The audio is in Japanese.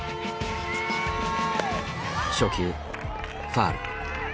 初球ファウル。